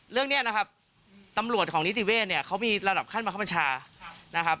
เรื่องนี้นะครับตำรวจของนิติเวศเนี่ยเขามีระดับขั้นบังคับบัญชานะครับ